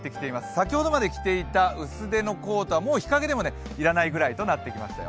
先ほどまで着ていた薄手のコートは日陰でも要らないぐらいとなってきましたよ。